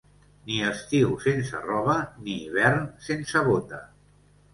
Ni estiu sense roba, ni hivern sense bota.